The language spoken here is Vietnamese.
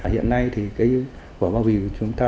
hiện nay thì cái vỏ bao bì của chúng ta